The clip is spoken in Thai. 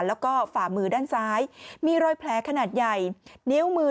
แล้วก็ฝ่ามือด้านซ้ายมีรอยแผลขนาดใหญ่นิ้วมือ